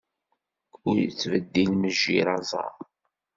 Ur yettbeddil mejjir aẓar.